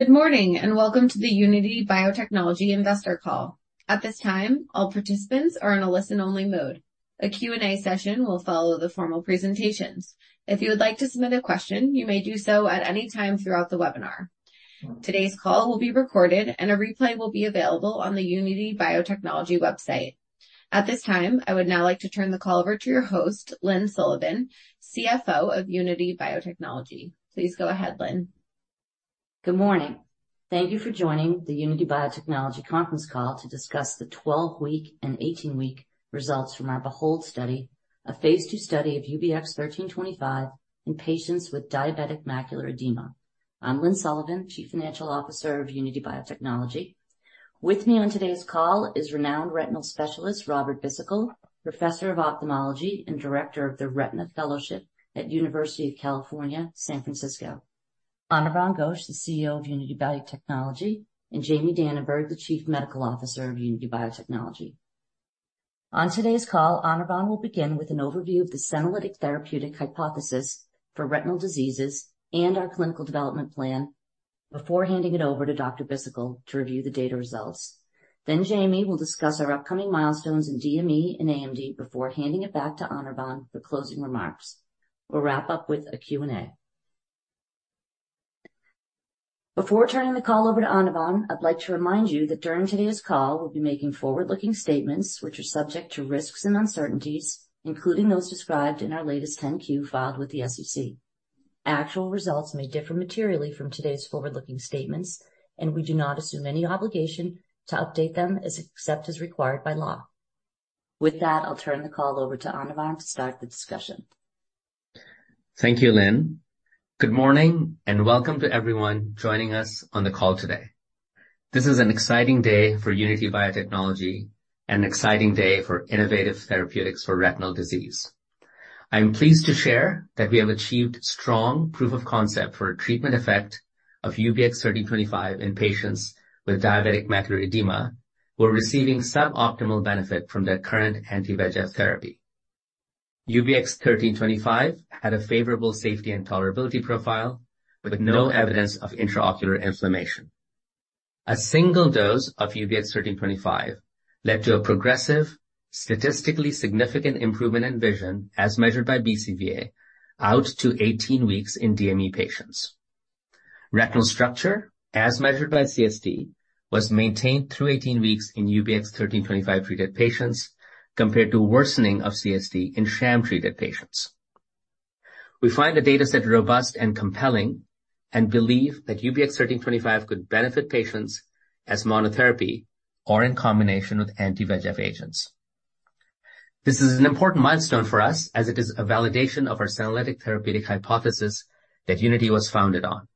Good morning, and welcome to the Unity Biotechnology Investor Call. At this time, all participants are on a listen only mode. A Q&A session will follow the formal presentations. If you would like to submit a question, you may do so at any time throughout the webinar. Today's call will be recorded and a replay will be available on the Unity Biotechnology website. At this time, I would now like to turn the call over to your host, Lynne Sullivan, CFO of Unity Biotechnology. Please go ahead, Lynne. Good morning. Thank you for joining the Unity Biotechnology conference call to discuss the 12-week and 18-week results from our BEHOLD study, a phase 2 study of UBX1325 in patients with diabetic macular edema. I'm Lynne Sullivan, Chief Financial Officer of Unity Biotechnology. With me on today's call is renowned retinal specialist Robert Bhisitkul, Professor of Ophthalmology and Director of the Retina Fellowship at University of California, San Francisco. Anirvan Ghosh, the CEO of Unity Biotechnology, and Jamie Dananberg, the Chief Medical Officer of Unity Biotechnology. On today's call, Anirvan will begin with an overview of the senolytic therapeutic hypothesis for retinal diseases and our clinical development plan before handing it over to Dr. Bhisitkul to review the data results. Then Jamie will discuss our upcoming milestones in DME and AMD before handing it back to Anirvan for closing remarks. We'll wrap up with a Q&A. Before turning the call over to Anirvan, I'd like to remind you that during today's call, we'll be making forward-looking statements which are subject to risks and uncertainties, including those described in our latest 10-Q filed with the SEC. Actual results may differ materially from today's forward-looking statements, and we do not assume any obligation to update them except as required by law. With that, I'll turn the call over to Anirvan to start the discussion. Thank you, Lynne. Good morning and welcome to everyone joining us on the call today. This is an exciting day for Unity Biotechnology and an exciting day for innovative therapeutics for retinal disease. I am pleased to share that we have achieved strong proof of concept for a treatment effect of UBX1325 in patients with diabetic macular edema who are receiving sub-optimal benefit from their current anti-VEGF therapy. UBX1325 had a favorable safety and tolerability profile with no evidence of intraocular inflammation. A single dose of UBX1325 led to a progressive, statistically significant improvement in vision as measured by BCVA out to 18 weeks in DME patients. Retinal structure, as measured by CST, was maintained through 18 weeks in UBX1325-treated patients compared to worsening of CST in sham-treated patients. We find the data set robust and compelling and believe that UBX1325 could benefit patients as monotherapy or in combination with anti-VEGF agents. This is an important milestone for us as it is a validation of our senolytic therapeutic hypothesis that Unity was founded on.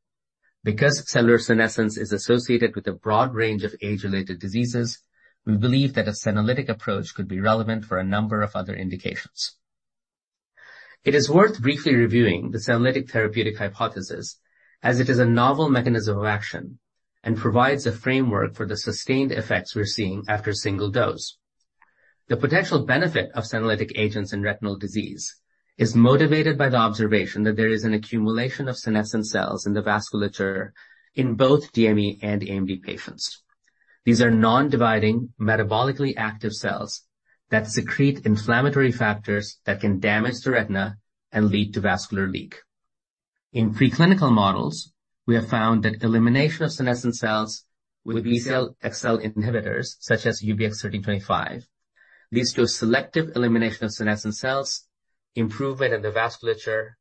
Because cellular senescence is associated with a broad range of age-related diseases, we believe that a senolytic approach could be relevant for a number of other indications. It is worth briefly reviewing the senolytic therapeutic hypothesis as it is a novel mechanism of action and provides a framework for the sustained effects we're seeing after a single dose. The potential benefit of senolytic agents in retinal disease is motivated by the observation that there is an accumulation of senescent cells in the vasculature in both DME and AMD patients. These are non-dividing, metabolically active cells that secrete inflammatory factors that can damage the retina and lead to vascular leak. In preclinical models, we have found that elimination of senescent cells with Bcl-xL inhibitors, such as UBX1325, leads to a selective elimination of senescent cells, improvement in the vasculature,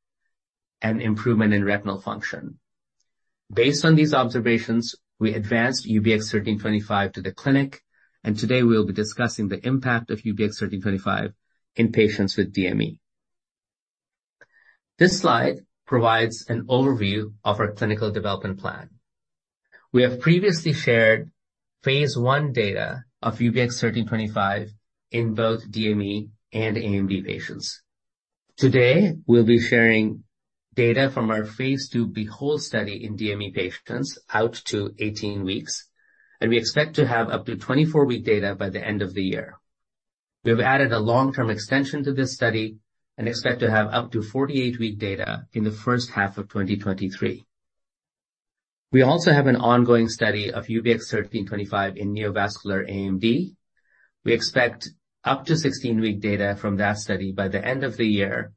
and improvement in retinal function. Based on these observations, we advanced UBX1325 to the clinic, and today we will be discussing the impact of UBX1325 in patients with DME. This slide provides an overview of our clinical development plan. We have previously shared phase 1 data of UBX1325 in both DME and AMD patients. Today, we'll be sharing data from our phase 2 BEHOLD study in DME patients out to 18 weeks, and we expect to have up to 24-week data by the end of the year. We have added a long-term extension to this study and expect to have up to 48-week data in the first half of 2023. We also have an ongoing study of UBX1325 in neovascular AMD. We expect up to 16-week data from that study by the end of the year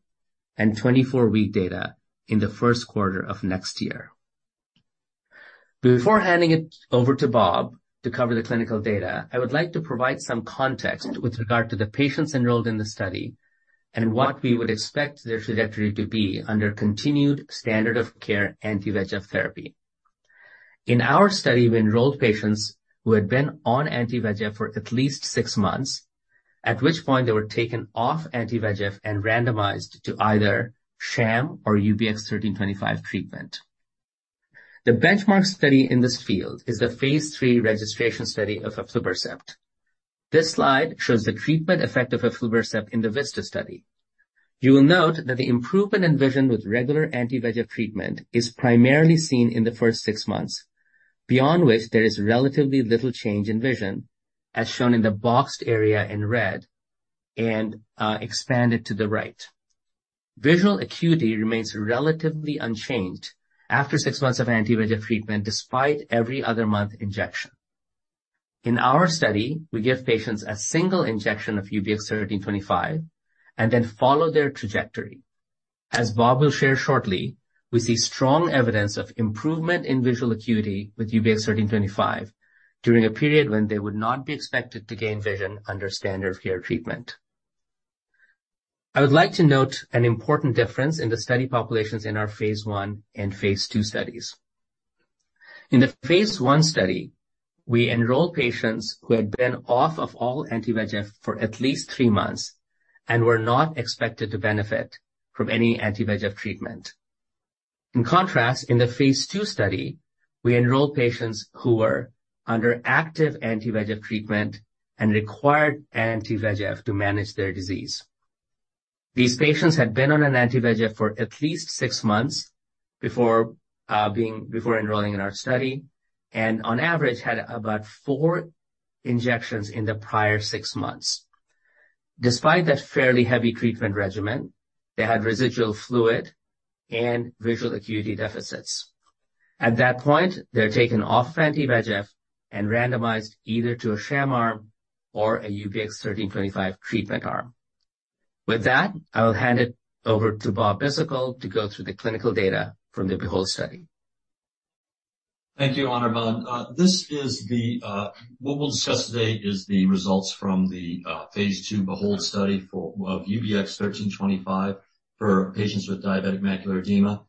and 24-week data in the Q1 of next year. Before handing it over to Bob to cover the clinical data, I would like to provide some context with regard to the patients enrolled in the study and what we would expect their trajectory to be under continued standard of care anti-VEGF therapy. In our study, we enrolled patients who had been on anti-VEGF for at least 6 months, at which point they were taken off anti-VEGF and randomized to either sham or UBX1325 treatment. The benchmark study in this field is the phase 3 registration study of Aflibercept. This slide shows the treatment effect of Aflibercept in the VISTA study. You will note that the improvement in vision with regular anti-VEGF treatment is primarily seen in the first six months. Beyond which there is relatively little change in vision, as shown in the boxed area in red and expanded to the right. Visual acuity remains relatively unchanged after six months of anti-VEGF treatment despite every other month injection. In our study, we give patients a single injection of UBX1325 and then follow their trajectory. As Bob will share shortly, we see strong evidence of improvement in visual acuity with UBX1325 during a period when they would not be expected to gain vision under standard care treatment. I would like to note an important difference in the study populations in our phase 1 and phase 2 studies. In the phase 1 study, we enrolled patients who had been off of all anti-VEGF for at least 3 months and were not expected to benefit from any anti-VEGF treatment. In contrast, in the phase 2 study, we enrolled patients who were under active anti-VEGF treatment and required anti-VEGF to manage their disease. These patients had been on an anti-VEGF for at least 6 months before enrolling in our study, and on average, had about 4 injections in the prior 6 months. Despite that fairly heavy treatment regimen, they had residual fluid and visual acuity deficits. At that point, they're taken off anti-VEGF and randomized either to a sham arm or a UBX1325 treatment arm. With that, I will hand it over to Bob Bhisitkul to go through the clinical data from the BEHOLD study. Thank you, Anirvan. What we'll discuss today is the results from the phase 2 BEHOLD study of UBX1325 for patients with diabetic macular edema.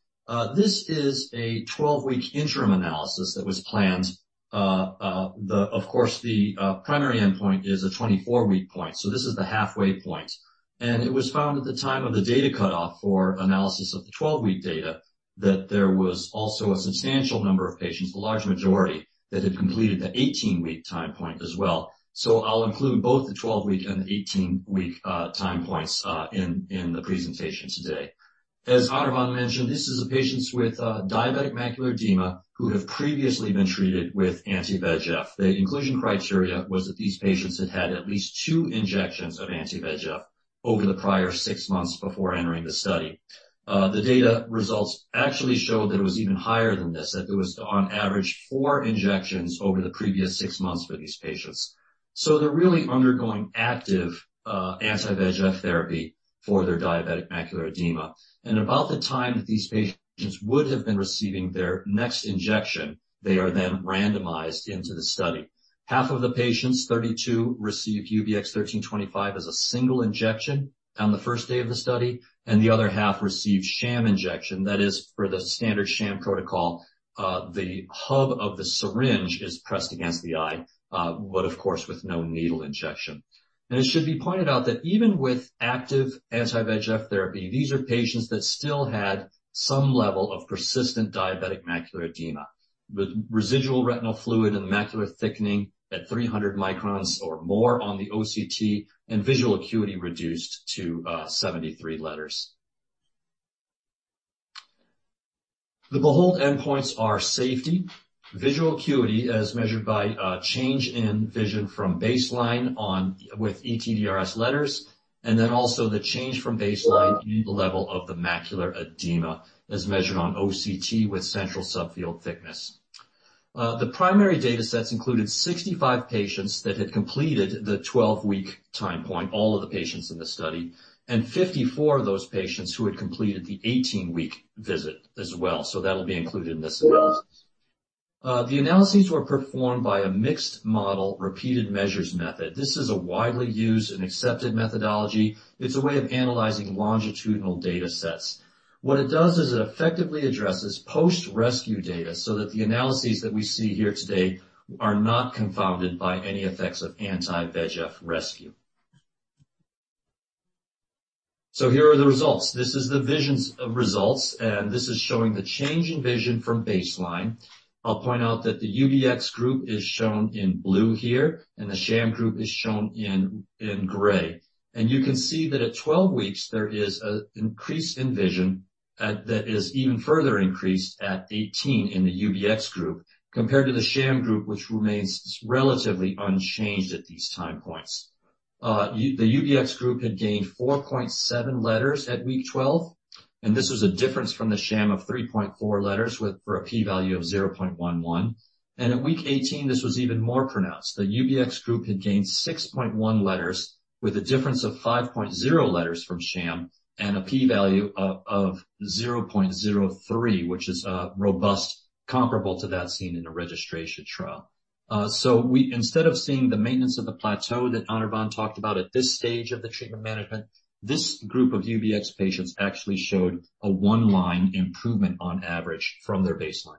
This is a 12-week interim analysis that was planned. Of course, the primary endpoint is a 24-week point, so this is the halfway point. It was found at the time of the data cutoff for analysis of the 12-week data that there was also a substantial number of patients, the large majority, that had completed the 18-week time point as well. I'll include both the 12-week and the 18-week time points in the presentation today. As Anirvan mentioned, this is patients with diabetic macular edema who have previously been treated with anti-VEGF. The inclusion criteria was that these patients had had at least 2 injections of anti-VEGF over the prior 6 months before entering the study. The data results actually showed that it was even higher than this, that it was on average 4 injections over the previous 6 months for these patients. They're really undergoing active, anti-VEGF therapy for their diabetic macular edema. About the time that these patients would have been receiving their next injection, they are then randomized into the study. Half of the patients, 32, received UBX1325 as a single injection on the first day of the study, and the other half received sham injection. That is for the standard sham protocol, the hub of the syringe is pressed against the eye, but of course with no needle injection. It should be pointed out that even with active anti-VEGF therapy, these are patients that still had some level of persistent diabetic macular edema, with residual retinal fluid and macular thickening at 300 microns or more on the OCT and visual acuity reduced to 73 letters. The BEHOLD endpoints are safety, visual acuity as measured by change in vision from baseline on with ETDRS letters, and then also the change from baseline in the level of the macular edema as measured on OCT with central subfield thickness. The primary datasets included 65 patients that had completed the 12-week time point, all of the patients in the study, and 54 of those patients who had completed the 18-week visit as well. That'll be included in this analysis. The analyses were performed by a mixed-model repeated-measures method. This is a widely used and accepted methodology. It's a way of analyzing longitudinal datasets. What it does is it effectively addresses post-rescue data so that the analyses that we see here today are not confounded by any effects of anti-VEGF rescue. Here are the results. This is the version of results, and this is showing the change in vision from baseline. I'll point out that the UBX group is shown in blue here, and the sham group is shown in gray. You can see that at 12 weeks, there is an increase in vision that is even further increased at 18 in the UBX group compared to the sham group, which remains relatively unchanged at these time points. The UBX group had gained 4.7 letters at week 12, and this was a difference from the sham of 3.4 letters with a p-value of 0.11. At week 18, this was even more pronounced. The UBX group had gained 6.1 letters with a difference of 5.0 letters from sham and a p-value of 0.03, which is robust comparable to that seen in a registration trial. Instead of seeing the maintenance of the plateau that Anirvan talked about at this stage of the treatment management, this group of UBX patients actually showed a one-line improvement on average from their baseline.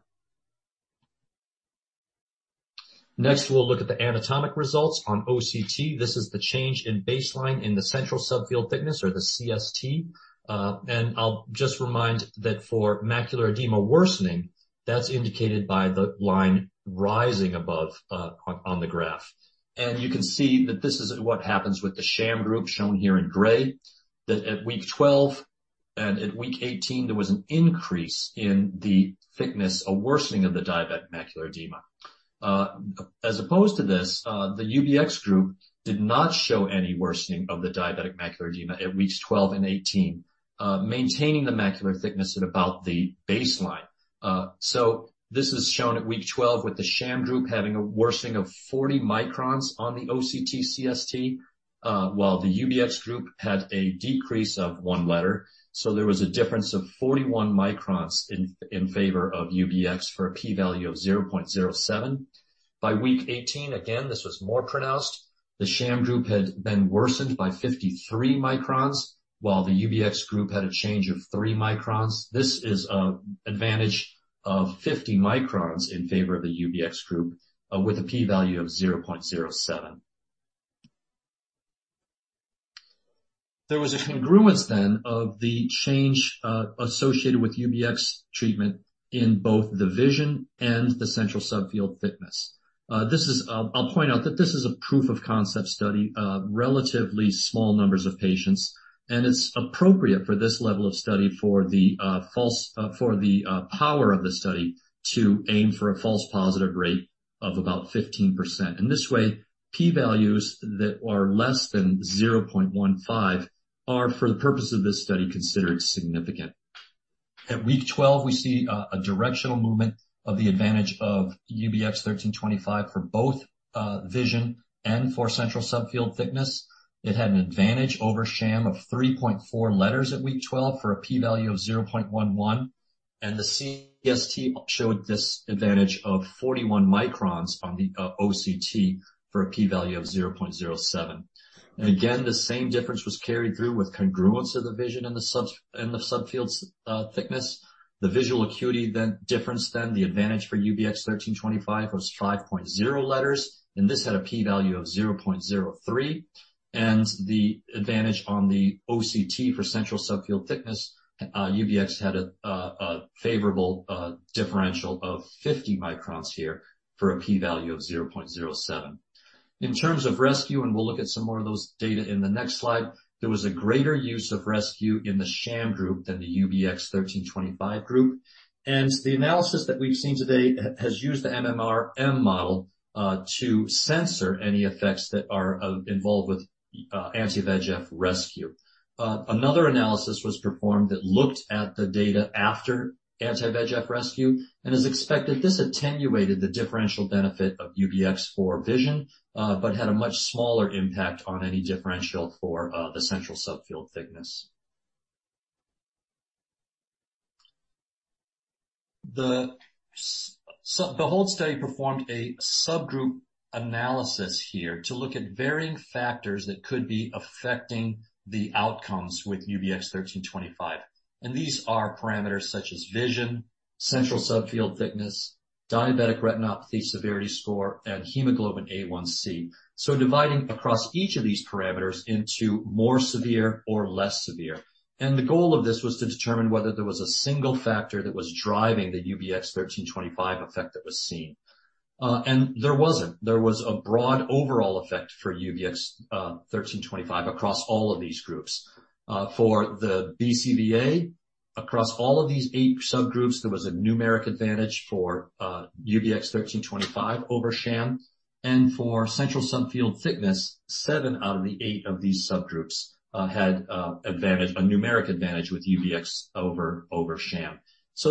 Next, we'll look at the anatomic results on OCT. This is the change in baseline in the central subfield thickness or the CST. I'll just remind that for macular edema worsening, that's indicated by the line rising above on the graph. You can see that this is what happens with the sham group shown here in gray, that at week 12 and at week 18, there was an increase in the thickness or worsening of the diabetic macular edema. As opposed to this, the UBX group did not show any worsening of the diabetic macular edema at weeks 12 and 18, maintaining the macular thickness at about the baseline. This is shown at week 12, with the sham group having a worsening of 40 microns on the OCT CST, while the UBX group had a decrease of one letter. There was a difference of 41 microns in favor of UBX for a p-value of 0.07. By week 18, again, this was more pronounced. The sham group had then worsened by 53 microns, while the UBX group had a change of 3 microns. This is an advantage of 50 microns in favor of the UBX group with a p-value of 0.07. There was a congruence then of the change associated with UBX treatment in both the vision and the central subfield thickness. This is a proof of concept study of relatively small numbers of patients, and it's appropriate for this level of study for the power of the study to aim for a false positive rate of about 15%. In this way, p-values that are less than 0.15 are, for the purpose of this study, considered significant. At week 12, we see a directional movement of the advantage of UBX1325 for both vision and for central subfield thickness. It had an advantage over sham of 3.4 letters at week 12 for a p-value of 0.11. The CST showed this advantage of 41 microns on the OCT for a p-value of 0.07. Again, the same difference was carried through with congruence of the vision in the subfields thickness. The visual acuity difference then the advantage for UBX1325 was 5.0 letters, and this had a p-value of 0.03. The advantage on the OCT for central subfield thickness, UBX had a favorable differential of 50 microns here for a p-value of 0.07. In terms of rescue, and we'll look at some more of those data in the next slide, there was a greater use of rescue in the sham group than the UBX1325 group. The analysis that we've seen today has used the MMRM model to censor any effects that are involved with anti-VEGF rescue. Another analysis was performed that looked at the data after anti-VEGF rescue. As expected, this attenuated the differential benefit of UBX for vision, but had a much smaller impact on any differential for the central subfield thickness. The whole study performed a subgroup analysis here to look at varying factors that could be affecting the outcomes with UBX1325, and these are parameters such as vision, central subfield thickness, diabetic retinopathy severity score, and hemoglobin A1c. Dividing across each of these parameters into more severe or less severe. The goal of this was to determine whether there was a single factor that was driving the UBX1325 effect that was seen. There wasn't. There was a broad overall effect for UBX1325 across all of these groups. For the BCVA, across all of these eight subgroups, there was a numeric advantage for UBX1325 over sham. For central subfield thickness, seven out of the eight of these subgroups had a numeric advantage with UBX1325 over sham.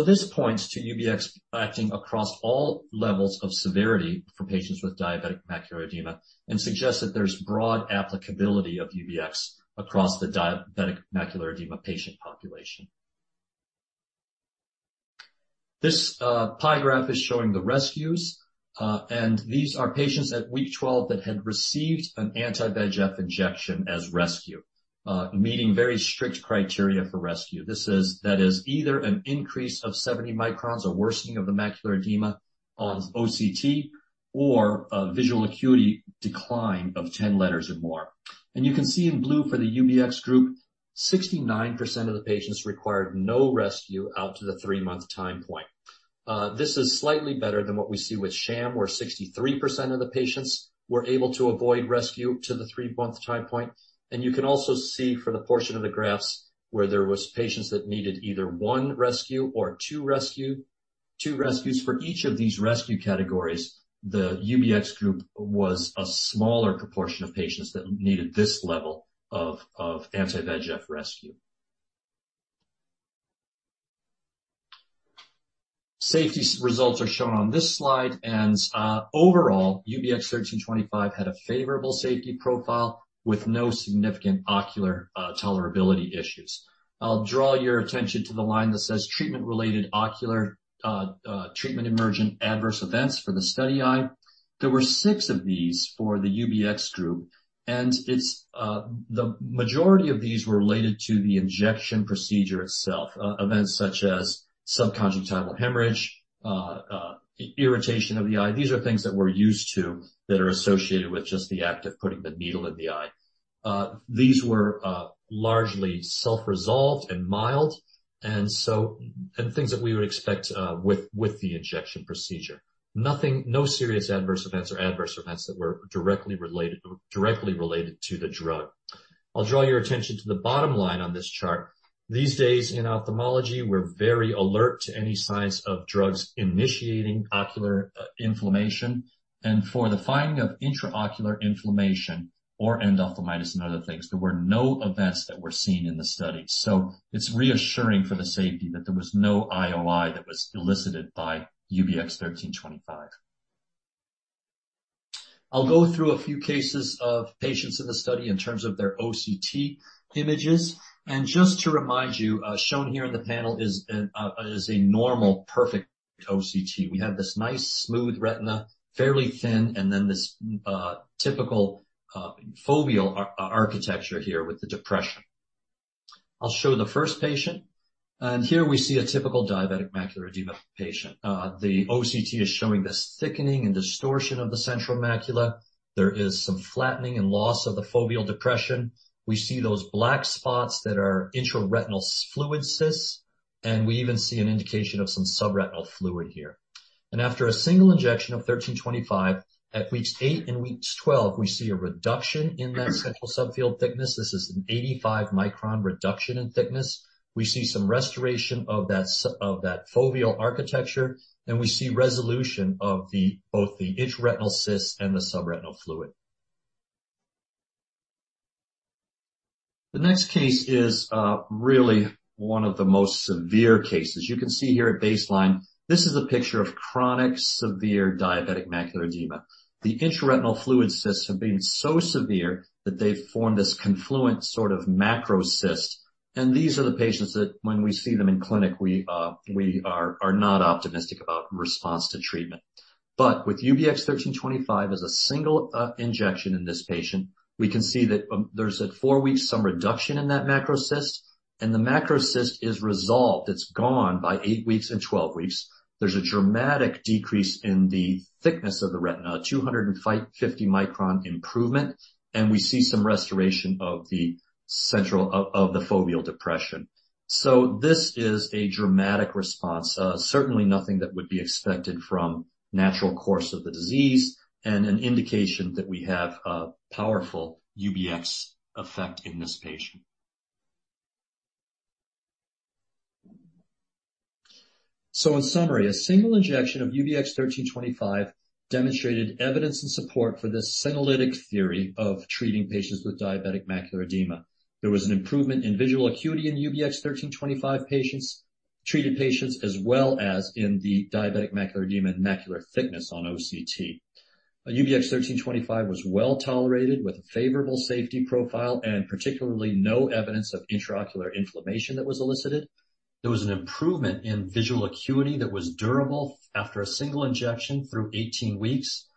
This points to UBX1325 acting across all levels of severity for patients with diabetic macular edema and suggests that there's broad applicability of UBX1325 across the diabetic macular edema patient population. This pie graph is showing the rescues. These are patients at week 12 that had received an anti-VEGF injection as rescue, meeting very strict criteria for rescue. This is, that is either an increase of 70 microns or worsening of the macular edema on OCT or a visual acuity decline of 10 letters or more. You can see in blue for the UBX group, 69% of the patients required no rescue out to the 3-month time point. This is slightly better than what we see with sham, where 63% of the patients were able to avoid rescue to the 3-month time point. You can also see for the portion of the graphs where there was patients that needed either 1 rescue or 2 rescues. For each of these rescue categories, the UBX group was a smaller proportion of patients that needed this level of anti-VEGF rescue. Safety results are shown on this slide. Overall, UBX1325 had a favorable safety profile with no significant ocular tolerability issues. I'll draw your attention to the line that says treatment-related ocular treatment emergent adverse events for the study eye. There were six of these for the UBX group, and the majority of these were related to the injection procedure itself, events such as subconjunctival hemorrhage, irritation of the eye. These are things that we're used to that are associated with just the act of putting the needle in the eye. These were largely self-resolved and mild. Things that we would expect with the injection procedure. No serious adverse events or adverse events that were directly related to the drug. I'll draw your attention to the bottom line on this chart. These days in ophthalmology, we're very alert to any signs of drugs initiating ocular inflammation. For the finding of intraocular inflammation or endophthalmitis and other things, there were no events that were seen in the study. It's reassuring for the safety that there was no IOI that was elicited by UBX1325. I'll go through a few cases of patients in the study in terms of their OCT images. Just to remind you, shown here in the panel is a normal, perfect OCT. We have this nice smooth retina, fairly thin, and then this typical foveal architecture here with the depression. I'll show the first patient, and here we see a typical diabetic macular edema patient. The OCT is showing this thickening and distortion of the central macula. There is some flattening and loss of the foveal depression. We see those black spots that are intraretinal fluid cysts, and we even see an indication of some subretinal fluid here. After a single injection of UBX1325 at weeks 8 and 12, we see a reduction in that central subfield thickness. This is an 85-micron reduction in thickness. We see some restoration of that foveal architecture, and we see resolution of both the intraretinal cyst and the subretinal fluid. The next case is really one of the most severe cases. You can see here at baseline, this is a picture of chronic severe diabetic macular edema. The intraretinal fluid cysts have been so severe that they form this confluent sort of macro cyst. These are the patients that when we see them in clinic, we are not optimistic about response to treatment. With UBX1325 as a single injection in this patient, we can see that there's at 4 weeks some reduction in that macrocyst, and the macrocyst is resolved. It's gone by 8 weeks and 12 weeks. There's a dramatic decrease in the thickness of the retina, 250-micron improvement, and we see some restoration of the central foveal depression. This is a dramatic response. Certainly nothing that would be expected from natural course of the disease and an indication that we have a powerful UBX effect in this patient. In summary, a single injection of UBX1325 demonstrated evidence and support for this senolytic theory of treating patients with diabetic macular edema. There was an improvement in visual acuity in UBX1325 patients, treated patients, as well as in the diabetic macular edema and macular thickness on OCT. UBX1325 was well-tolerated with a favorable safety profile and particularly no evidence of intraocular inflammation that was elicited. There was an improvement in visual acuity that was durable after a single injection through 18 weeks.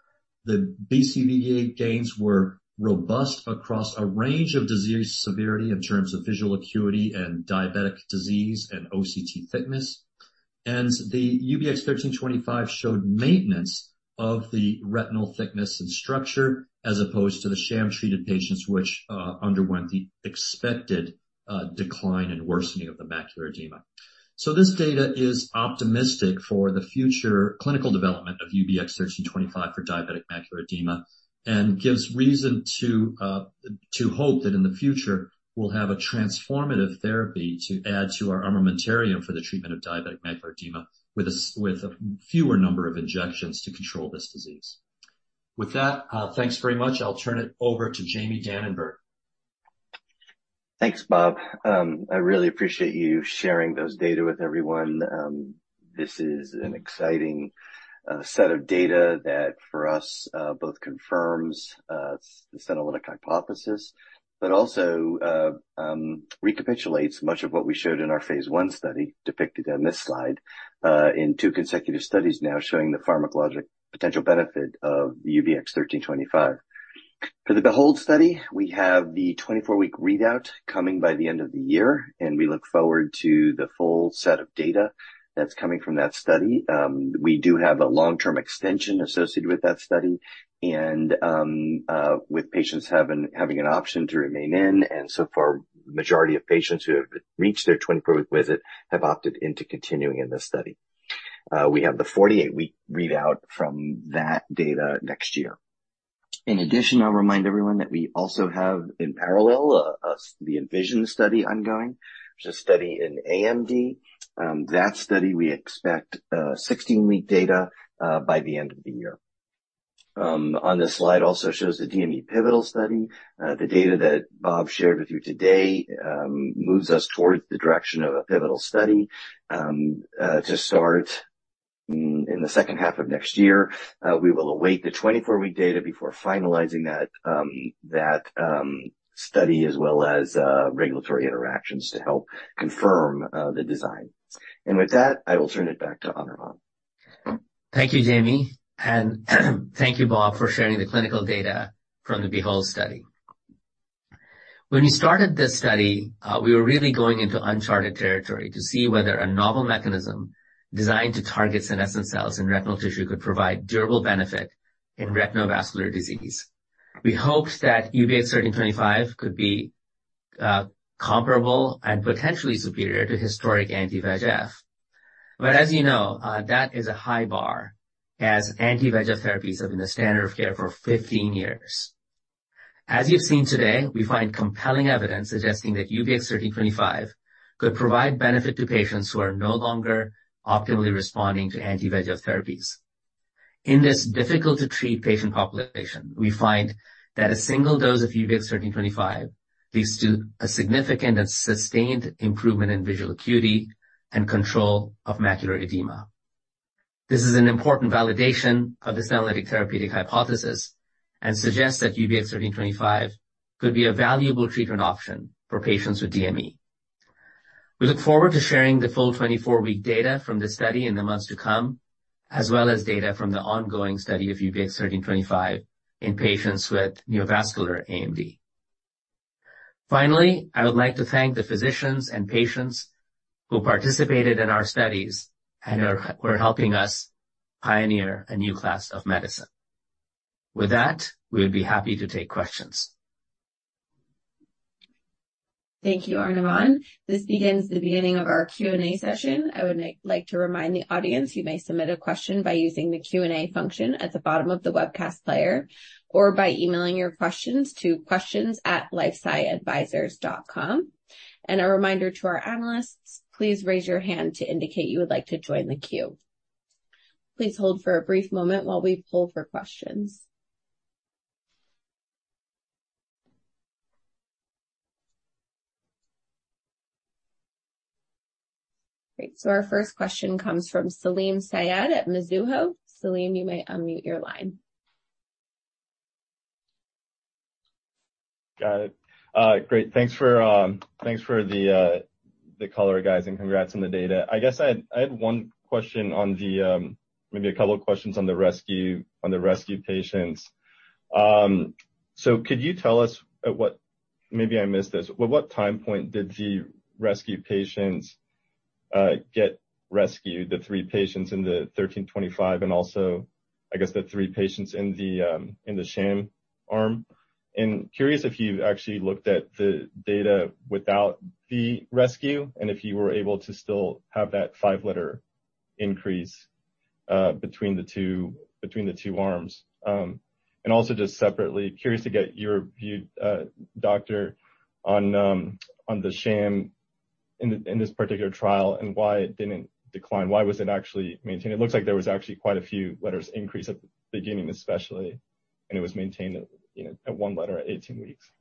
The BCVA gains were robust across a range of disease severity in terms of visual acuity and diabetic disease and OCT thickness. The UBX1325 showed maintenance of the retinal thickness and structure, as opposed to the sham-treated patients, which underwent the expected decline and worsening of the macular edema. This data is optimistic for the future clinical development of UBX1325 for diabetic macular edema and gives reason to hope that in the future we'll have a transformative therapy to add to our armamentarium for the treatment of diabetic macular edema with fewer number of injections to control this disease. With that, thanks very much. I'll turn it over to Jamie Dananberg. Thanks, Bob. I really appreciate you sharing those data with everyone. This is an exciting set of data that for us both confirms the senolytic hypothesis, but also recapitulates much of what we showed in our phase 1 study depicted on this slide, in two consecutive studies now showing the pharmacologic potential benefit of UBX1325. For the BEHOLD study, we have the 24-week readout coming by the end of the year, and we look forward to the full set of data that's coming from that study. We do have a long-term extension associated with that study and with patients having an option to remain in. So far, majority of patients who have reached their 24-week visit have opted into continuing in this study. We have the 48-week readout from that data next year. In addition, I'll remind everyone that we also have in parallel the ENVISION study ongoing, which is a study in AMD. That study we expect 16-week data by the end of the year. On this slide also shows the DME pivotal study. The data that Bob shared with you today moves us towards the direction of a pivotal study to start in the second half of next year. We will await the 24-week data before finalizing that study as well as regulatory interactions to help confirm the design. With that, I will turn it back to Anirvan. Thank you, Jamie, and thank you, Bob, for sharing the clinical data from the BEHOLD study. When we started this study, we were really going into uncharted territory to see whether a novel mechanism designed to target senescent cells in retinal tissue could provide durable benefit in retinovascular disease. We hoped that UBX1325 could be comparable and potentially superior to historic anti-VEGF. As you know, that is a high bar. As anti-VEGF therapies have been the standard of care for 15 years. As you've seen today, we find compelling evidence suggesting that UBX1325 could provide benefit to patients who are no longer optimally responding to anti-VEGF therapies. In this difficult to treat patient population, we find that a single dose of UBX1325 leads to a significant and sustained improvement in visual acuity and control of macular edema. This is an important validation of this senolytic therapeutic hypothesis and suggests that UBX1325 could be a valuable treatment option for patients with DME. We look forward to sharing the full 24-week data from this study in the months to come, as well as data from the ongoing study of UBX1325 in patients with neovascular AMD. Finally, I would like to thank the physicians and patients who participated in our studies and were helping us pioneer a new class of medicine. With that, we would be happy to take questions. Thank you, Anirvan. This begins the beginning of our Q&A session. I would like to remind the audience you may submit a question by using the Q&A function at the bottom of the webcast player or by emailing your questions to questions@lifesciadvisors.com. A reminder to our analysts, please raise your hand to indicate you would like to join the queue. Please hold for a brief moment while we pull for questions. Great. Our first question comes from Salim Syed at Mizuho. Salim, you may unmute your line. Got it. Great. Thanks for the color, guys, and congrats on the data. I guess I had one question on the, maybe a couple of questions on the rescue patients. Could you tell us at what, maybe I missed this, but what time point did the rescue patients get rescued, the 3 patients in the UBX1325 and also, I guess the 3 patients in the sham arm? Curious if you actually looked at the data without the rescue and if you were able to still have that 5-letter increase between the two arms. Just separately, curious to get your view, doctor, on the sham in this particular trial and why it didn't decline. Why was it actually maintained? It looks like there was actually quite a few letters increase at the beginning especially, and it was maintained at, you know, at 1 letter at 18 weeks.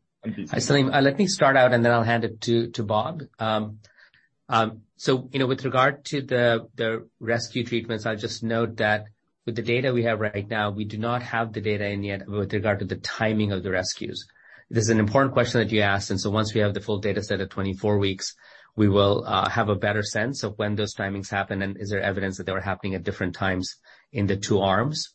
Hi, Salim. Let me start out, and then I'll hand it to Bob. You know, with regard to the rescue treatments, I just note that with the data we have right now, we do not have the data in yet with regard to the timing of the rescues. This is an important question that you asked, and so once we have the full data set at 24 weeks, we will have a better sense of when those timings happen and is there evidence that they were happening at different times in the two arms.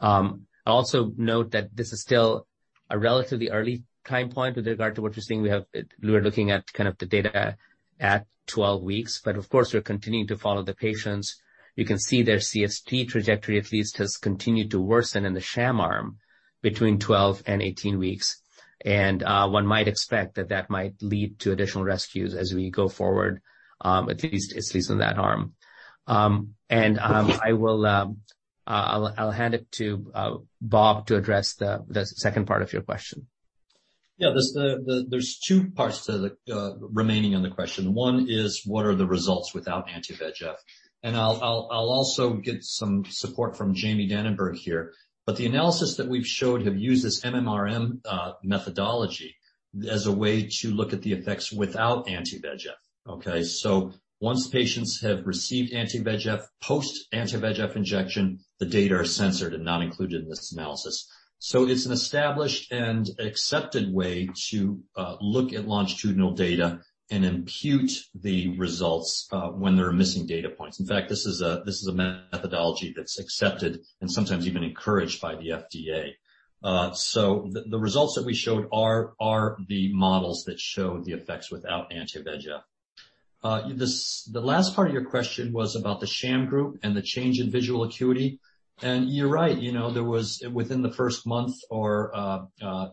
I also note that this is still a relatively early time point with regard to what you're seeing. We're looking at kind of the data at 12 weeks, but of course, we're continuing to follow the patients. You can see their CST trajectory at least has continued to worsen in the sham arm between 12 and 18 weeks. One might expect that might lead to additional rescues as we go forward, at least in that arm. I'll hand it to Bob to address the second part of your question. Yeah. There's two parts to the remainder of the question. One is what are the results without anti-VEGF? I'll also get some support from Jamie Dananberg here. The analysis that we've showed have used this MMRM methodology as a way to look at the effects without anti-VEGF, okay? Once patients have received anti-VEGF, post anti-VEGF injection, the data are censored and not included in this analysis. It's an established and accepted way to look at longitudinal data and impute the results when there are missing data points. In fact, this is a methodology that's accepted and sometimes even encouraged by the FDA. The results that we showed are the models that show the effects without anti-VEGF. The last part of your question was about the sham group and the change in visual acuity. You're right, you know, there was within the first month or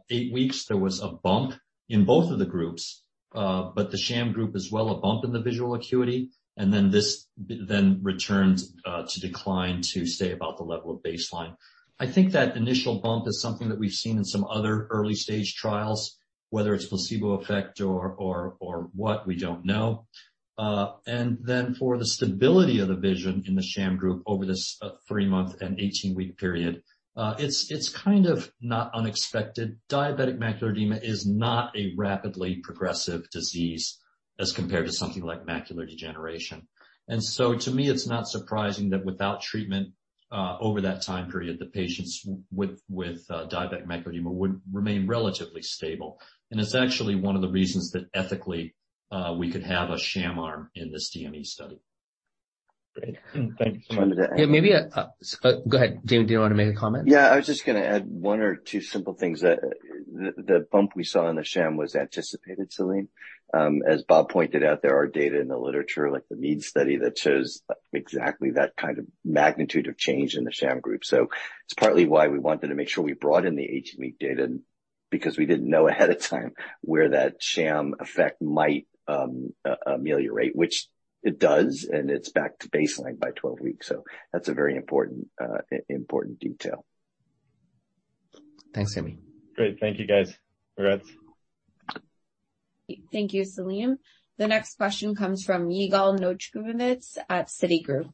8 weeks, there was a bump in both of the groups, but the sham group as well, a bump in the visual acuity, and then this then returned to decline to stay about the level of baseline. I think that initial bump is something that we've seen in some other early-stage trials, whether it's placebo effect or what, we don't know. Then for the stability of the vision in the sham group over this 3-month and 18-week period, it's kind of not unexpected. Diabetic macular edema is not a rapidly progressive disease as compared to something like macular degeneration. To me, it's not surprising that without treatment, over that time period, the patients with diabetic macular edema would remain relatively stable. It's actually one of the reasons that ethically, we could have a sham arm in this DME study. Great. Thank you. Yeah. Maybe, go ahead. Jamie, do you want to make a comment? Yeah. I was just going to add one or two simple things. The bump we saw in the sham was anticipated, Salim. As Bob pointed out, there are data in the literature, like the MEAD study that shows exactly that kind of magnitude of change in the sham group. It's partly why we wanted to make sure we brought in the 18-week data, because we didn't know ahead of time where that sham effect might ameliorate, which it does, and it's back to baseline by 12 weeks. That's a very important detail. Thanks, Jamie. Great. Thank you, guys. Congrats. Thank you, Salim. The next question comes from Yigal Nochomovitz at Citigroup.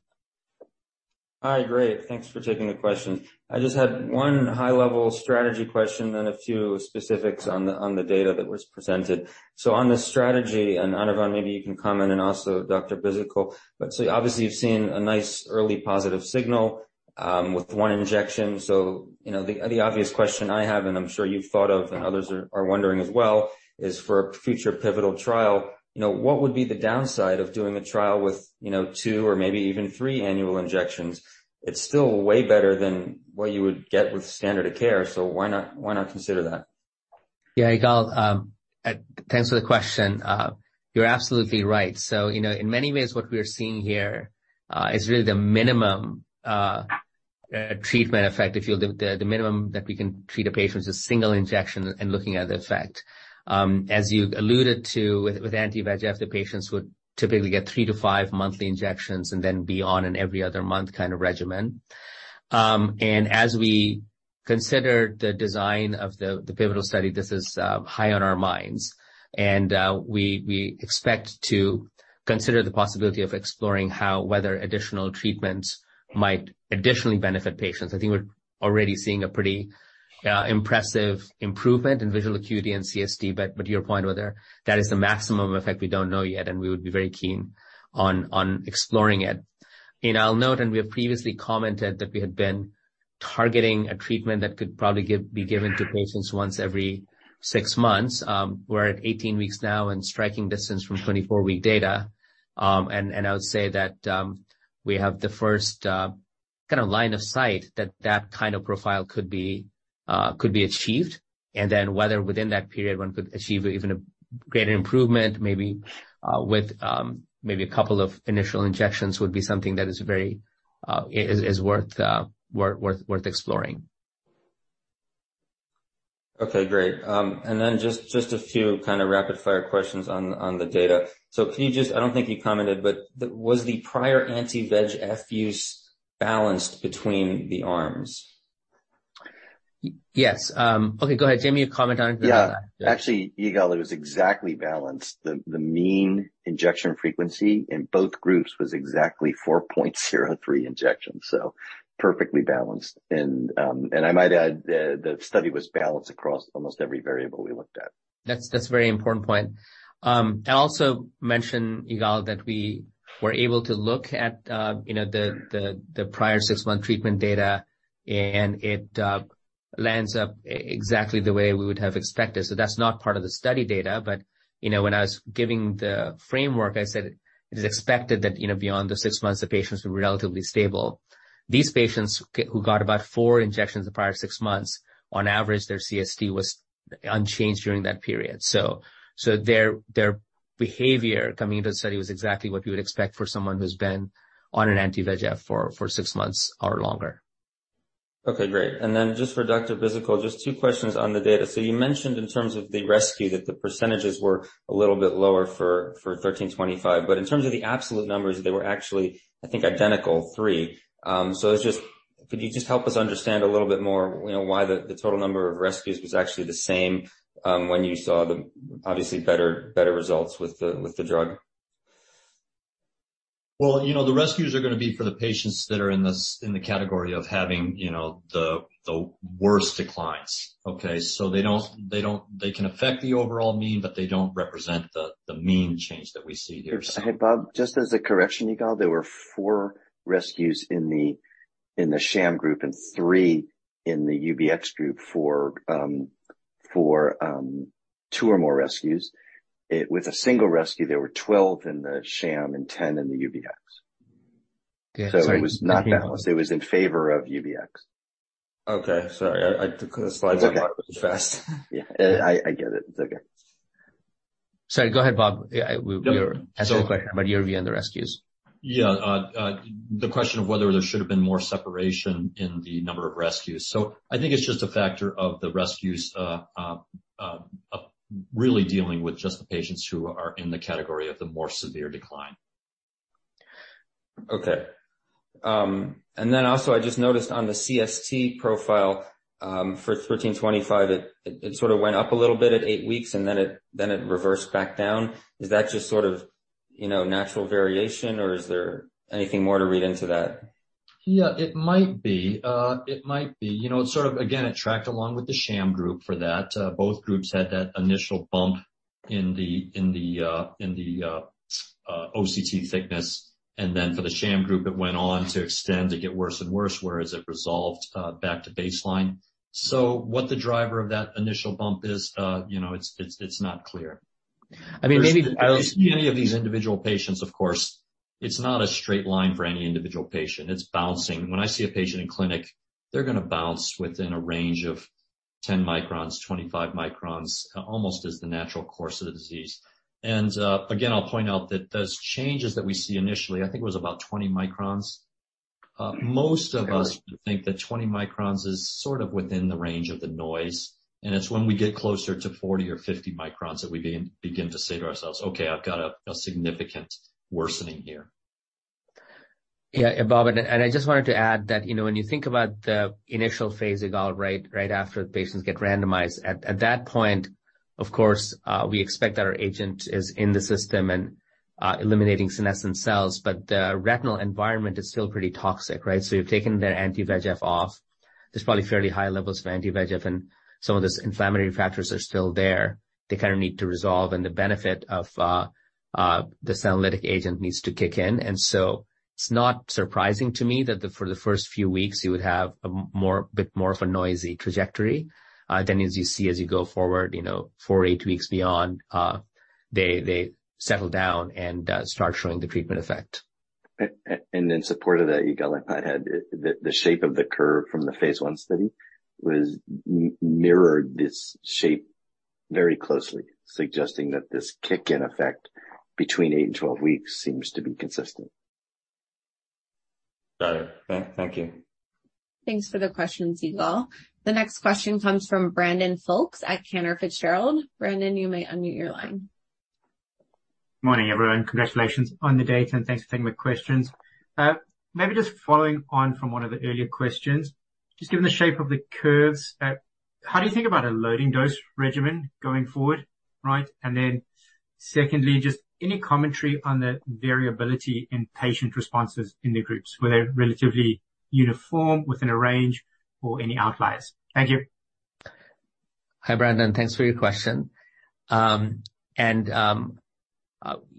Hi. Great. Thanks for taking the question. I just had one high-level strategy question, then a few specifics on the data that was presented. On the strategy, Anirvan, maybe you can comment and also Dr. Bhisitkul. Obviously you've seen a nice early positive signal with one injection. You know, the obvious question I have, and I'm sure you've thought of and others are wondering as well, is for a future pivotal trial. You know, what would be the downside of doing a trial with two or maybe even three annual injections? It's still way better than what you would get with standard of care, so why not consider that? Yeah. Yigal, thanks for the question. You're absolutely right. You know, in many ways what we are seeing here is really the minimum treatment effect, the minimum that we can treat a patient with a single injection and looking at the effect. As you alluded to with anti-VEGF, the patients would typically get 3-5 monthly injections and then be on an every other month kind of regimen. As we consider the design of the pivotal study, this is high on our minds, and we expect to consider the possibility of exploring whether additional treatments might additionally benefit patients. I think we're already seeing a pretty impressive improvement in visual acuity and CST, but to your point, whether that is the maximum effect, we don't know yet, and we would be very keen on exploring it. You know, I'll note, we have previously commented that we had been targeting a treatment that could probably be given to patients once every 6 months. We're at 18 weeks now in striking distance from 24-week data. I would say that we have the first kinda line of sight that that kind of profile could be achieved. Then whether within that period one could achieve even a greater improvement, maybe with maybe a couple of initial injections would be something that is very is worth exploring. Okay. Great. Then just a few kinda rapid fire questions on the data. Can you just... I don't think you commented, but was the prior anti-VEGF use balanced between the arms? Yes. Okay, go ahead. Jamie, you comment on that. Yeah. Actually, Yigal, it was exactly balanced. The mean injection frequency in both groups was exactly 4.03 injections, so perfectly balanced. I might add, the study was balanced across almost every variable we looked at. That's a very important point. I'll also mention, Yigal, that we were able to look at you know, the prior 6-month treatment data, and it lines up exactly the way we would have expected. That's not part of the study data. You know, when I was giving the framework, I said it is expected that you know, beyond the 6 months, the patients were relatively stable. These patients who got about 4 injections the prior 6 months, on average, their CST was unchanged during that period. Their behavior coming into the study was exactly what we would expect for someone who's been on an anti-VEGF for 6 months or longer. Okay, great. Just for Dr. Bhisitkul, just two questions on the data. You mentioned in terms of the rescue that the percentages were a little bit lower for UBX1325. In terms of the absolute numbers, they were actually, I think, identical, 3. It's just could you just help us understand a little bit more, you know, why the total number of rescues was actually the same when you saw the obviously better results with the drug? Well, you know, the rescues are gonna be for the patients that are in the category of having, you know, the worst declines, okay? They don't, they can affect the overall mean, but they don't represent the mean change that we see here. Hey, Bob, just as a correction, Yigal, there were 4 rescues in the sham group and 3 in the UBX group for 2 or more rescues. With a single rescue, there were 12 in the sham and 10 in the UBX. Yeah. Sorry. It was not balanced. It was in favor of UBX. Okay. Sorry. I took the slides that fast. Yeah. I get it. It's okay. Sorry. Go ahead, Bob. Yeah, we were asking a question about your view on the results. The question of whether there should have been more separation in the number of rescues. I think it's just a factor of the rescues, really dealing with just the patients who are in the category of the more severe decline. Okay. Also, I just noticed on the CST profile for UBX1325, it sort of went up a little bit at eight weeks, and then it reversed back down. Is that just sort of, you know, natural variation, or is there anything more to read into that? Yeah, it might be. You know, it sort of, again, it tracked along with the sham group for that. Both groups had that initial bump in the OCT thickness. For the sham group, it went on to extend, to get worse and worse, whereas it resolved back to baseline. What the driver of that initial bump is, you know, it's not clear. I mean, maybe. Any of these individual patients, of course, it's not a straight line for any individual patient. It's bouncing. When I see a patient in clinic, they're gonna bounce within a range of 10 microns, 25 microns, almost as the natural course of the disease. Again, I'll point out that those changes that we see initially, I think it was about 20 microns. Most of us would think that 20 microns is sort of within the range of the noise, and it's when we get closer to 40 or 50 microns that we begin to say to ourselves, "Okay, I've got a significant worsening here. Yeah, Bob, I just wanted to add that, you know, when you think about the initial phase of all, right, after the patients get randomized. At that point, of course, we expect that our agent is in the system and eliminating senescent cells, but the retinal environment is still pretty toxic, right? You've taken their anti-VEGF off. There's probably fairly high levels of anti-VEGF, and some of those inflammatory factors are still there. They kind of need to resolve, and the benefit of the senolytic agent needs to kick in. It's not surprising to me that for the first few weeks you would have a bit more of a noisy trajectory. As you see, as you go forward, you know, 4, 8 weeks beyond, they settle down and start showing the treatment effect. In support of that, Yigal Nochomovitz, the shape of the curve from the phase 1 study was mirrored this shape very closely, suggesting that this kick-in effect between 8 and 12 weeks seems to be consistent. Got it. Thank you. Thanks for the questions, Yigal. The next question comes from Brandon Folkes at Cantor Fitzgerald. Brandon, you may unmute your line. Morning, everyone. Congratulations on the data, and thanks for taking my questions. Maybe just following on from one of the earlier questions. Just given the shape of the curves, how do you think about a loading dose regimen going forward? Right. And then secondly, just any commentary on the variability in patient responses in the groups, were they relatively uniform within a range or any outliers? Thank you. Hi, Brandon. Thanks for your question.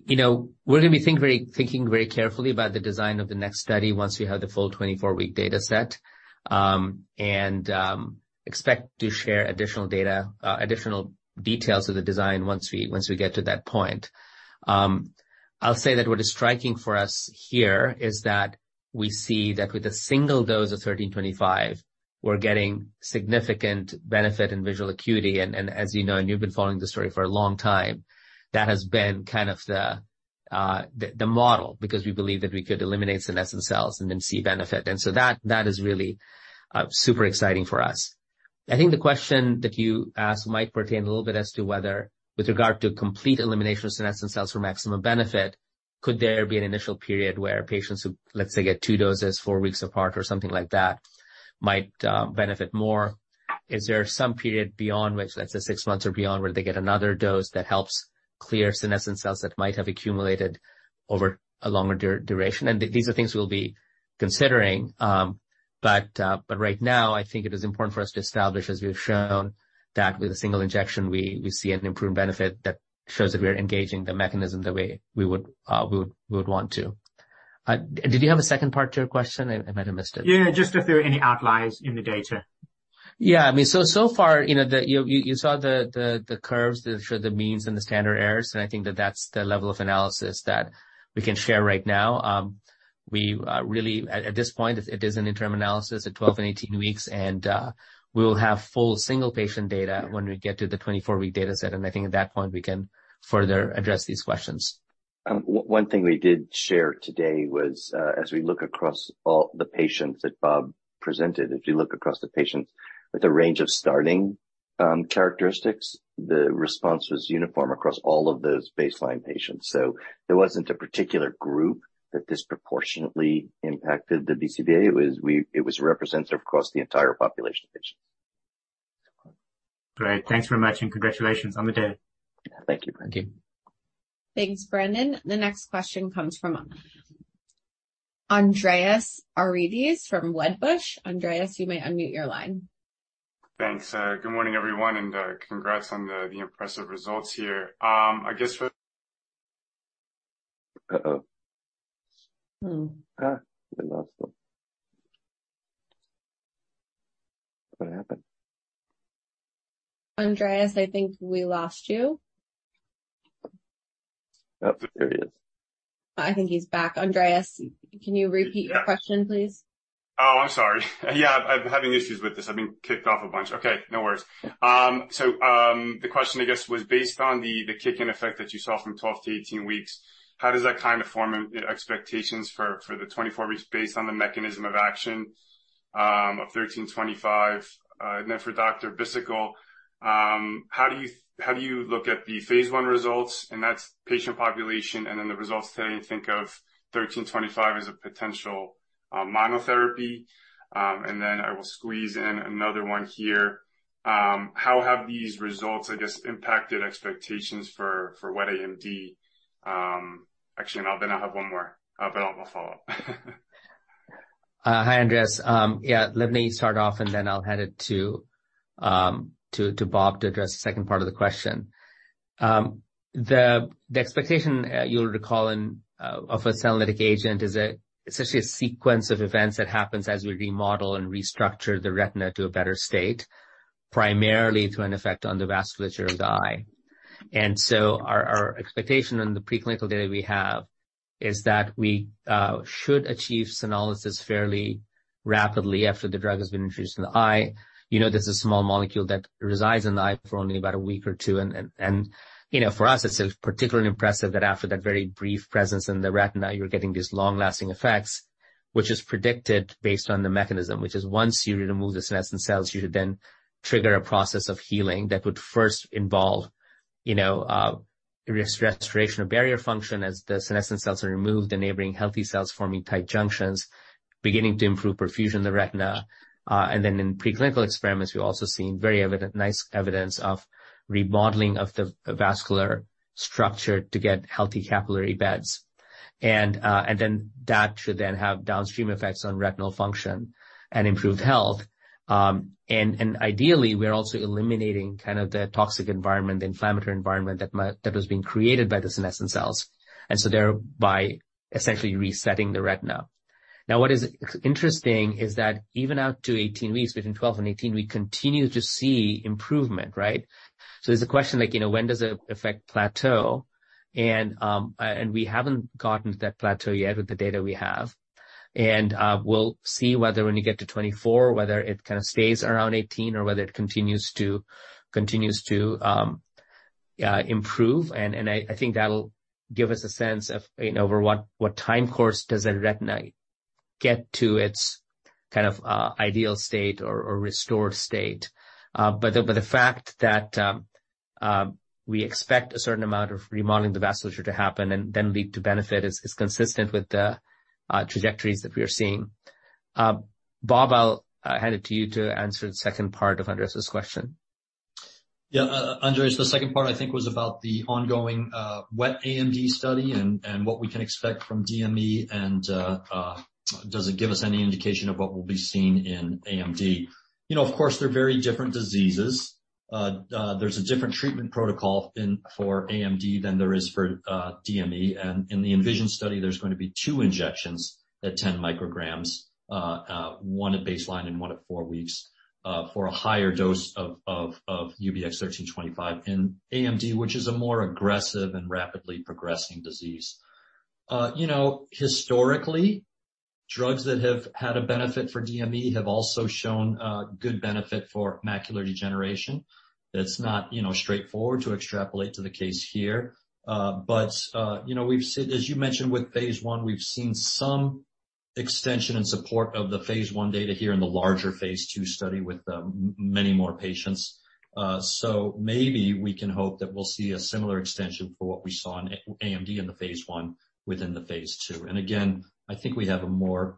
You know, we're going to be thinking very carefully about the design of the next study once we have the full 24-week data set. We expect to share additional details of the design once we get to that point. I'll say that what is striking for us here is that we see that with a single dose of UBX1325, we're getting significant benefit in visual acuity. As you know, you've been following this story for a long time, that has been kind of the model because we believe that we could eliminate senescent cells and then see benefit. That is really super exciting for us. I think the question that you asked might pertain a little bit as to whether with regard to complete elimination of senescent cells for maximum benefit, could there be an initial period where patients who, let's say, get 2 doses four weeks apart or something like that might benefit more? Is there some period beyond which, let's say 6 months or beyond, where they get another dose that helps clear senescent cells that might have accumulated over a longer duration? These are things we'll be considering. Right now, I think it is important for us to establish, as we've shown, that with a single injection, we see an improved benefit that shows that we are engaging the mechanism the way we would want to. Did you have a second part to your question? I might have missed it. Yeah. Just if there are any outliers in the data. Yeah. I mean, so far, you know, you saw the curves that show the means and the standard errors, and I think that that's the level of analysis that we can share right now. We really, at this point, it is an interim analysis at 12 and 18 weeks. We'll have full single patient data when we get to the 24-week data set. I think at that point, we can further address these questions. One thing we did share today was, as we look across all the patients that Bob presented. If we look across the patients with a range of starting characteristics, the response was uniform across all of those baseline patients. There wasn't a particular group that disproportionately impacted the BCVA. It was representative across the entire population of patients. Great. Thanks very much, and congratulations on the day. Thank you, Brandon. Thank you. Thanks, Brandon. The next question comes from Andreas Argyrides from Wedbush. Andreas, you may unmute your line. Thanks. Good morning, everyone, and congrats on the impressive results here. I guess for- Uh-oh. Hmm. We lost him. What happened? Andreas, I think we lost you. Oh, there he is. I think he's back. Andreas, can you repeat your question, please? Oh, I'm sorry. Yeah. I've been having issues with this. I've been kicked off a bunch. Okay, no worries. The question, I guess, was based on the kick in effect that you saw from 12 to 18 weeks. How does that kind of form expectations for the 24 weeks based on the mechanism of action of 1325? For Dr. Bhisitkul, how do you look at the phase 1 results and that's patient population and then the results today and think of 1325 as a potential monotherapy? I will squeeze in another one here. How have these results, I guess, impacted expectations for wet AMD? Actually, now then I have one more. I'll follow up. Hi, Andreas. Yeah, let me start off, and then I'll hand it to Bob to address the second part of the question. The expectation you'll recall of a senolytic agent is it's essentially a sequence of events that happens as we remodel and restructure the retina to a better state, primarily through an effect on the vasculature of the eye. Our expectation in the preclinical data we have is that we should achieve senolysis fairly rapidly after the drug has been introduced in the eye. You know, this is a small molecule that resides in the eye for only about a week or two. You know, for us, it's particularly impressive that after that very brief presence in the retina, you're getting these long-lasting effects, which is predicted based on the mechanism. Which is once you remove the senescent cells, you then trigger a process of healing that would first involve, you know, restoration of barrier function as the senescent cells are removed, enabling healthy cells forming tight junctions, beginning to improve perfusion in the retina. In preclinical experiments, we've also seen very evident, nice evidence of remodeling of the vascular structure to get healthy capillary beds. That should then have downstream effects on retinal function and improved health. Ideally, we are also eliminating kind of the toxic environment, the inflammatory environment that was being created by the senescent cells, and so thereby essentially resetting the retina. Now, what is interesting is that even out to 18 weeks, between 12 and 18, we continue to see improvement, right? There's a question like, you know, when does the effect plateau? We haven't gotten to that plateau yet with the data we have. We'll see whether when we get to 24, whether it kind of stays around 18 or whether it continues to improve. I think that'll give us a sense of, you know, over what time course does the retina get to its kind of ideal state or restored state. But the fact that we expect a certain amount of remodeling the vasculature to happen and then lead to benefit is consistent with the trajectories that we are seeing. Bob, I'll hand it to you to answer the second part of Andreas's question. Yeah, Andreas, the second part, I think, was about the ongoing wet AMD study and what we can expect from DME and does it give us any indication of what we'll be seeing in AMD? You know, of course, they're very different diseases. There's a different treatment protocol in for AMD than there is for DME. In the ENVISION study, there's going to be two injections at 10 micrograms, one at baseline and one at four weeks, for a higher dose of UBX1325 in AMD, which is a more aggressive and rapidly progressing disease. You know, historically, drugs that have had a benefit for DME have also shown good benefit for macular degeneration. That's not, you know, straightforward to extrapolate to the case here. You know, as you mentioned with phase 1, we've seen some extension and support of the phase 1 data here in the larger phase 2 study with many more patients. Maybe we can hope that we'll see a similar extension for what we saw in wet AMD in the phase 1 within the phase 2. Again, I think in the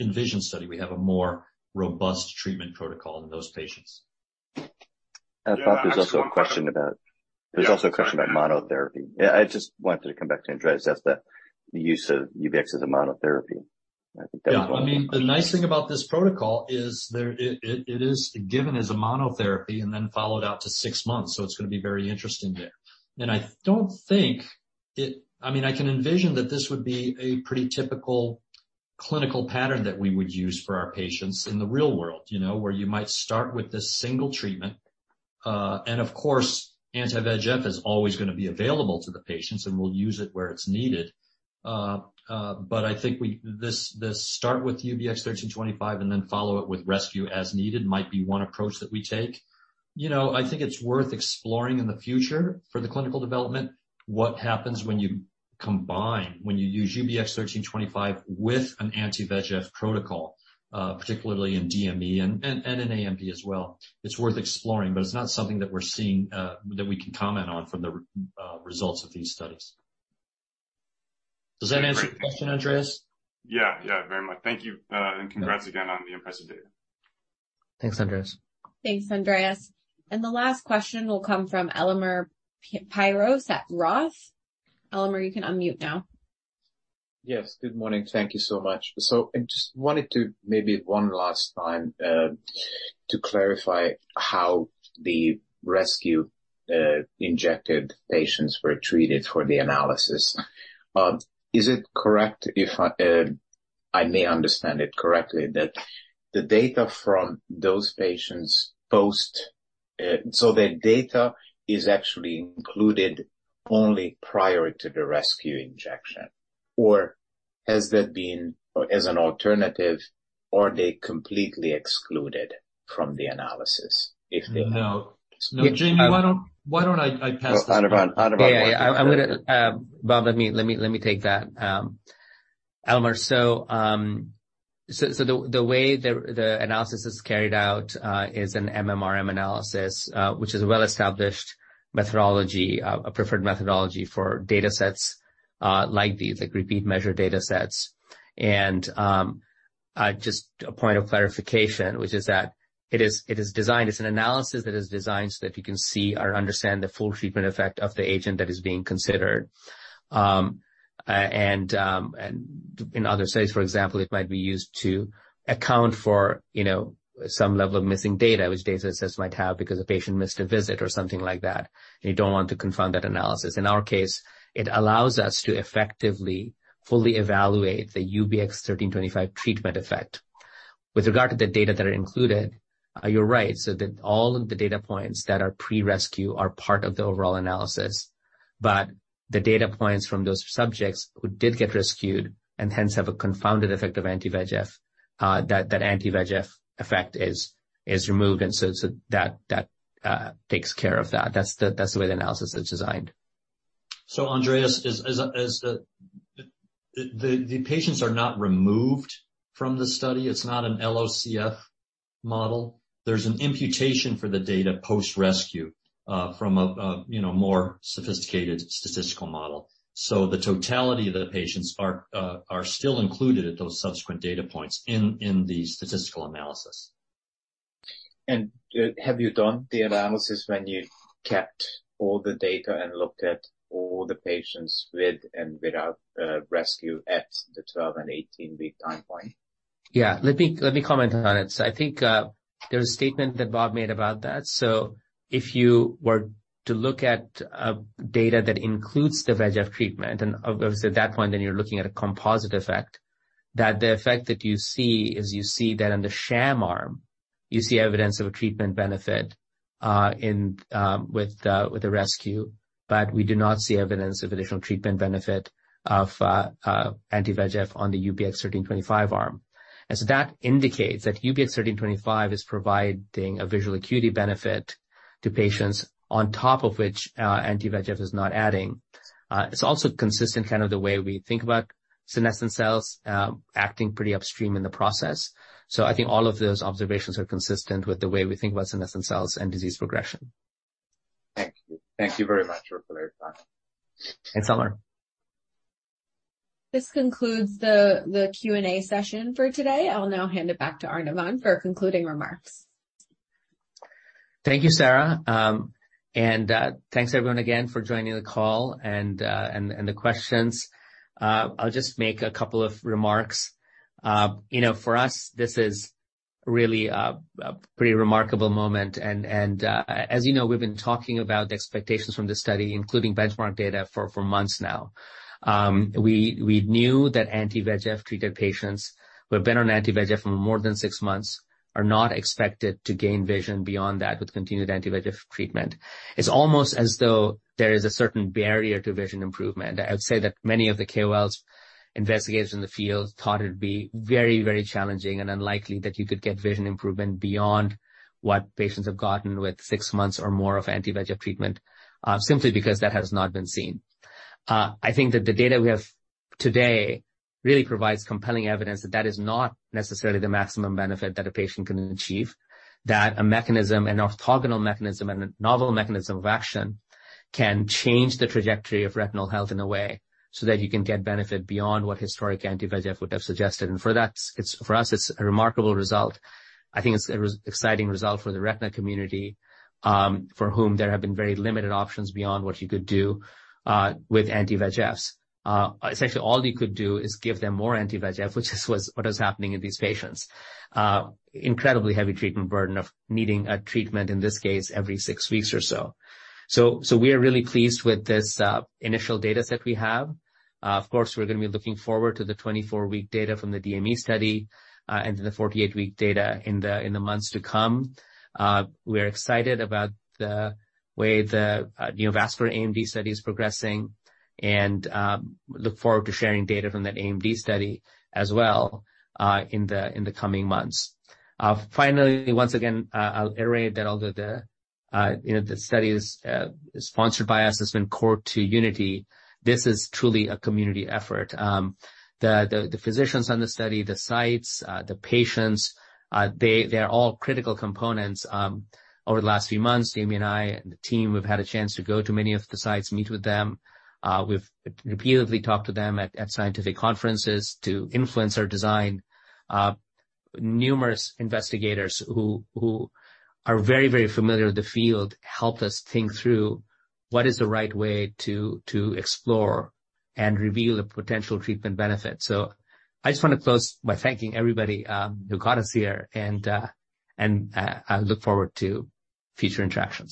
ENVISION study, we have a more robust treatment protocol in those patients. Bob, there's also a question about monotherapy. Yeah, I just wanted to come back to Andreas, ask the use of UBX as a monotherapy. I think that was one. I mean, the nice thing about this protocol is it is given as a monotherapy and then followed out to six months. It's gonna be very interesting there. I don't think it. I mean, I can envision that this would be a pretty typical clinical pattern that we would use for our patients in the real world, you know, where you might start with this single treatment. Of course, anti-VEGF is always gonna be available to the patients, and we'll use it where it's needed. I think this start with UBX1325 and then follow it with rescue as needed might be one approach that we take. You know, I think it's worth exploring in the future for the clinical development what happens when you combine, when you use UBX1325 with an anti-VEGF protocol, particularly in DME and in AMD as well. It's worth exploring, but it's not something that we're seeing that we can comment on from the results of these studies. Does that answer your question, Andreas? Yeah. Yeah, very much. Thank you. Congrats again on the impressive data. Thanks, Andreas. Thanks, Andreas. The last question will come from Elemer Piros at Roth. Elemer, you can unmute now. Yes, good morning. Thank you so much. I just wanted to maybe one last time to clarify how the rescue injected patients were treated for the analysis. Is it correct if I may understand it correctly, that the data from those patients is actually included only prior to the rescue injection? Or has that been as an alternative, or are they completely excluded from the analysis if they- No. Jamie, why don't I pass this one. Anirvan Ghosh. Yeah, yeah. I'm gonna, Bob, let me take that. Elemer, so the way the analysis is carried out is an MMRM analysis, which is a well-established methodology, a preferred methodology for datasets like these, repeated measures datasets. Just a point of clarification, which is that it is designed, it's an analysis that is designed so that you can see or understand the full treatment effect of the agent that is being considered. In other studies, for example, it might be used to account for, you know, some level of missing data, which datasets might have because a patient missed a visit or something like that, and you don't want to confound that analysis. In our case, it allows us to effectively fully evaluate the UBX1325 treatment effect. With regard to the data that are included, you're right, so that all of the data points that are pre-rescue are part of the overall analysis. The data points from those subjects who did get rescued and hence have a confounded effect of anti-VEGF, that anti-VEGF effect is removed. That takes care of that. That's the way the analysis is designed. Andreas, is the patients are not removed from the study? It's not an LOCF model. There's an imputation for the data post-rescue from a you know more sophisticated statistical model. The totality of the patients are still included at those subsequent data points in the statistical analysis. Have you done the analysis when you kept all the data and looked at all the patients with and without rescue at the 12 and 18-week time point? Yeah. Let me comment on it. I think there's a statement that Bob made about that. If you were to look at data that includes the VEGF treatment, and obviously at that point then you're looking at a composite effect, that the effect that you see is you see that in the sham arm you see evidence of a treatment benefit with the rescue. We do not see evidence of additional treatment benefit of anti-VEGF on the UBX1325 arm. That indicates that UBX1325 is providing a visual acuity benefit to patients on top of which anti-VEGF is not adding. It's also consistent, kind of the way we think about senescent cells acting pretty upstream in the process. I think all of those observations are consistent with the way we think about senescent cells and disease progression. Thank you. Thank you very much for the response. Thanks, Elemer. This concludes the Q&A session for today. I will now hand it back to Anirvan for concluding remarks. Thank you, Sarah. Thanks everyone again for joining the call and the questions. I'll just make a couple of remarks. You know, for us, this is really a pretty remarkable moment. As you know, we've been talking about the expectations from this study, including benchmark data, for months now. We knew that anti-VEGF treated patients who have been on anti-VEGF for more than six months are not expected to gain vision beyond that with continued anti-VEGF treatment. It's almost as though there is a certain barrier to vision improvement. I would say that many of the KOLs, investigators in the field thought it would be very, very challenging and unlikely that you could get vision improvement beyond what patients have gotten with six months or more of anti-VEGF treatment, simply because that has not been seen. I think that the data we have today really provides compelling evidence that is not necessarily the maximum benefit that a patient can achieve. That a mechanism, an orthogonal mechanism and a novel mechanism of action can change the trajectory of retinal health in a way so that you can get benefit beyond what historic anti-VEGF would have suggested. For that, for us, it's a remarkable result. I think it's a exciting result for the retina community, for whom there have been very limited options beyond what you could do, with anti-VEGFs. Essentially all you could do is give them more anti-VEGF, which is what is happening in these patients. Incredibly heavy treatment burden of needing a treatment, in this case, every 6 weeks or so. We are really pleased with this initial data set we have. Of course, we're gonna be looking forward to the 24-week data from the DME study and to the 48-week data in the months to come. We are excited about the way the neovascular AMD study is progressing and look forward to sharing data from that AMD study as well, in the coming months. Finally, once again, I'll iterate that although the you know, the study is sponsored by us, it's been core to Unity, this is truly a community effort. The physicians on the study, the sites, the patients, they are all critical components. Over the last few months, Jamie and I and the team, we've had a chance to go to many of the sites, meet with them. We've repeatedly talked to them at scientific conferences to influence our design. Numerous investigators who are very familiar with the field helped us think through what is the right way to explore and reveal a potential treatment benefit. I just want to close by thanking everybody who got us here, and I look forward to future interactions.